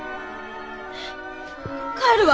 帰るわ！